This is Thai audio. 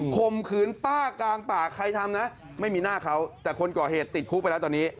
ข่มขืนป้ากลางปากใครทำนะไม่มีหน้าเขาแต่คนก่อเหตุติดคุกไปแล้วตอนนี้